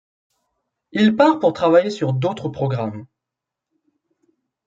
Il part pour travailler sur d'autres programmes.